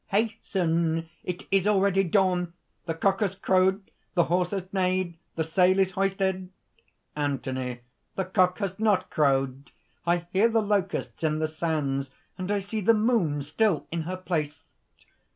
"Hasten! it is already dawn. The cock has crowed, the horse has neighed, the sail is hoisted!" ANTHONY. "The cock has not crowed! I hear the locusts in the sands, and I see the moon still in her place."